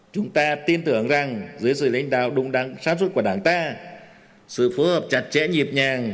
chúng ta tin tưởng rằng dưới sự lãnh đạo đúng đắn sát xuất của đảng ta sự phối hợp chặt chẽ nhịp nhàng